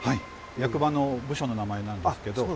役場の部署の名前なんですけど。